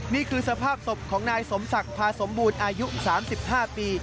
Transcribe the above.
นี่คือสภาพศพของนายสมศักดิ์พาสมบูรณ์อายุ๓๕ปี